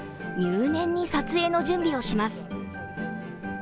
入念に撮影の準備をします。